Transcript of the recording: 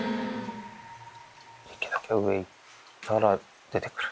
池崎が上行ったら出てくる。